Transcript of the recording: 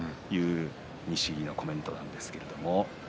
錦木のコメントでした。